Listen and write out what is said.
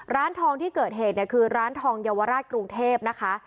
ร้านทองที่เกิดเหตุเนี่ยคือร้านทองเยาวราชกรุงเทพนะคะ